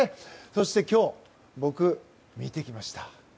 そして今日、僕は見てきました。